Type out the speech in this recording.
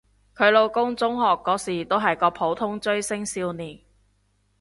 佢老公中學嗰時都係個普通追星少年